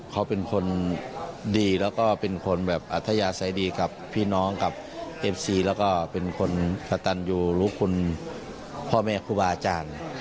เขาเป็นคนดีแล้วก็เป็นคนแบบอัธยาศัยดีกับพี่น้องกับเอฟซีแล้วก็เป็นคนกระตันอยู่รู้คุณพ่อแม่ครูบาอาจารย์